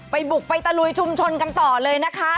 บุกไปตะลุยชุมชนกันต่อเลยนะคะ